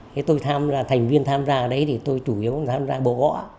thế tôi thành viên tham gia ở đấy thì tôi chủ yếu tham gia bộ gõ